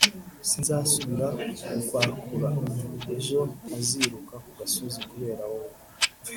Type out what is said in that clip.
sinzasubira kukwakura; ejo ntaziruka ku gasozi kubera wowe